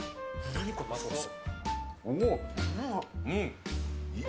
何、このソース。